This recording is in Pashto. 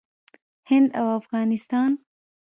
هند او افغانستان